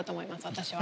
私は。